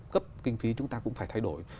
cấp kinh phí chúng ta cũng phải thay đổi